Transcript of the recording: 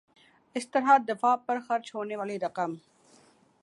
اس طرح دفاع پر خرچ ہونے والی رقم